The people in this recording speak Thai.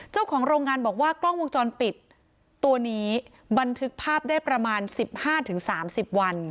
เจ้าของโรงงานบอกว่ากล้องวงจรปิดตัวนี้บันทึกภาพได้ประมาณ๑๕๓๐วัน